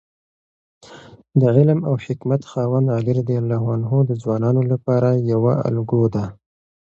د علم او حکمت خاوند علي رض د ځوانانو لپاره یوه الګو ده.